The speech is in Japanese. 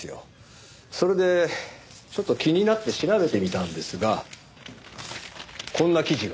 それでちょっと気になって調べてみたんですがこんな記事が。